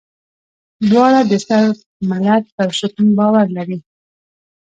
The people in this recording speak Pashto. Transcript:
دواړه د صرب ملت پر شتون باور لري.